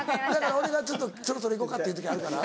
俺がちょっとそろそろ行こうかっていう時あるから。